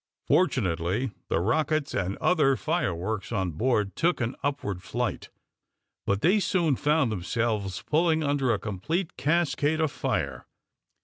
Fortunately the rockets and other fireworks on board took an upward flight, but they soon found themselves pulling under a complete cascade of fire.